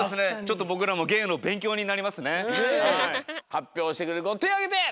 はっぴょうしてくれるこてをあげて！